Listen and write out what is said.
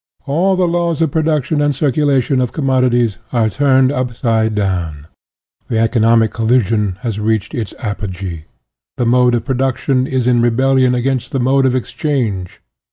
All the laws of production and circulation of commodities are turned upside down. The economic collision has reached its apo gee. The mode of production is in rebellion against the mode of exchange.